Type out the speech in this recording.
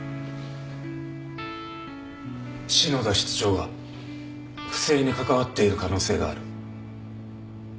篠田室長が不正に関わっている可能性がある。